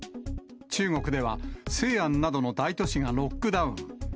中国では、西安などの大都市がロックダウン。